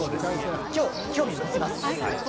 今日、興味を持ちます。